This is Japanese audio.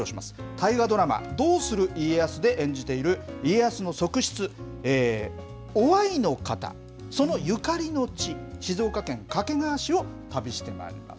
大河ドラマ、どうする家康で演じている家康の側室、於愛の方、そのゆかりの地、静岡県掛川市を旅してまいります。